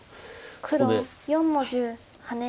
黒４の十ハネ。